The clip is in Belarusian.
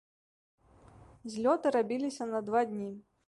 Злёты рабіліся на два дні.